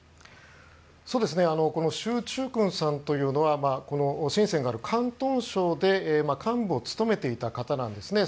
シュウ・チュウクンさんというのはシンセンがある広東省で幹部を務めていた方なんですね。